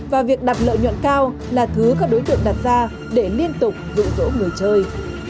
và việc đặt lợi nhuận cao là thứ các đối tượng đặt ra để liên tục rụ rỗ người chơi